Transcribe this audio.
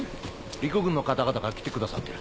陸軍の方々が来てくださってる。